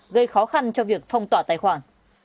gây khó khăn cho việc phong tỏa tài khoản